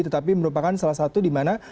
tetapi merupakan salah satu di mana